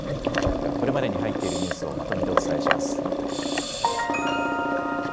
では、これまでに入っているニュースをまとめてお伝えします。